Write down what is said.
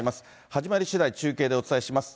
始まりしだい中継でお伝えします。